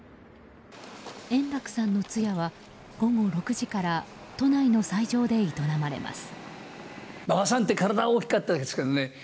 円楽さんの通夜は午後６時から都内の斎場で営まれます。